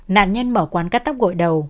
nạn nhân mở quán cắt tóc gội đầu